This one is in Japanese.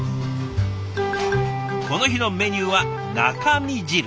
この日のメニューは中身汁。